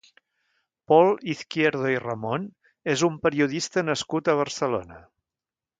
Pol Izquierdo i Ramon és un periodista nascut a Barcelona.